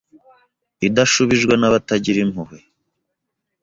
idashubijwe nabatagira impuhwe,